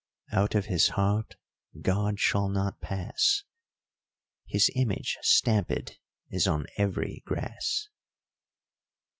Out of his heart God shall not pass: His image stampèd is on every grass.